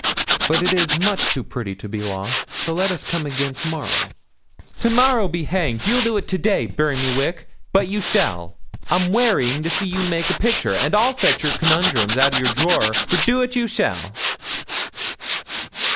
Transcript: But it is much too pretty to be lost; so let us come again to morrow.' 'To morrow be hanged! you'll do it to day, bury me wick, but you shall; I'm wearying to see you make a picture, and I'll fetch your conundrums out o' your drawer, for do 't you shall.'